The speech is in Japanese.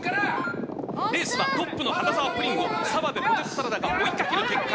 レースはトップの花澤プリンを澤部ポテトサラダが追いかける展開。